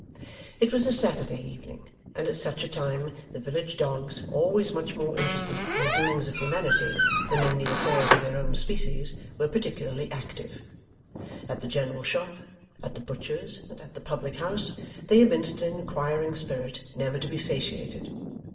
It was a Saturday evening, and at such a time the village dogs, always much more interested in the doings of humanity than in the affairs of their own species, were particularly active. At the general shop, at the butcher's and at the public house, they evinced an inquiring spirit never to be satiated.